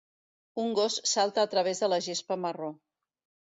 Un gos salta a través de la gespa marró.